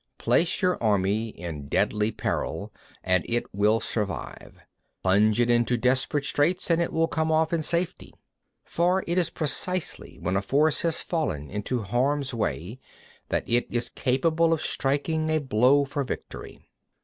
Place your army in deadly peril, and it will survive; plunge it into desperate straits, and it will come off in safety. 59. For it is precisely when a force has fallen into harm's way that is capable of striking a blow for victory. 60.